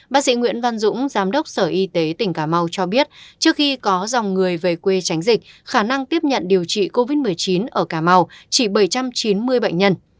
bác sĩ nguyễn văn dũng giám đốc sở y tế tỉnh cà mau cho biết trước khi có dòng người về quê tránh dịch khả năng tiếp nhận điều trị covid một mươi chín ở cà mau chỉ bảy trăm chín mươi bệnh nhân